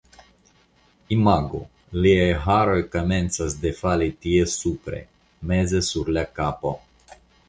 Imagu, liaj haroj komencas defali tie supre, meze sur la kapo.